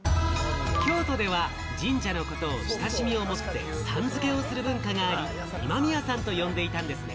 京都では神社のことを親しみを持って、さん付けをする文化があり、今宮さんと呼んでいたんですね。